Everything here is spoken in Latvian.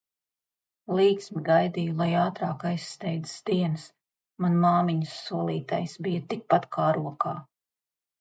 Līksmi gaidīju lai ātrāk aizsteidzas dienas, man māmiņas solītais, bija tik pat kā rokā.